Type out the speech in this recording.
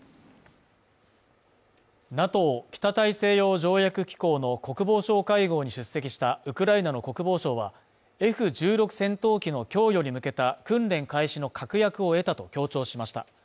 ＮＡＴＯ＝北大西洋条約機構の国防相会合に出席したウクライナの国防相はＦ１６戦闘機の供与に向けた訓練開始の確約を得たと強調しました。